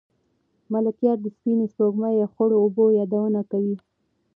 ملکیار د سپینې سپوږمۍ او خړو اوبو یادونه کوي.